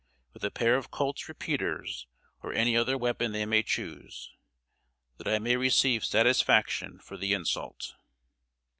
With a pair of Colt's repeaters or any other weapon they May Choose, That I May receive satisfaction for the insult."